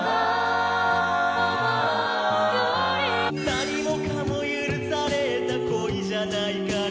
「何もかも許された恋じゃないから」